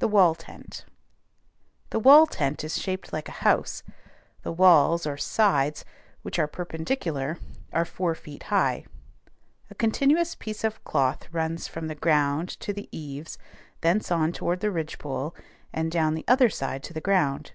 THE WALL TENT. The wall tent is shaped like a house: the walls or sides, which are perpendicular, are four feet high. A continuous piece of cloth runs from the ground to the eaves, thence on toward the ridgepole, and down the other side to the ground.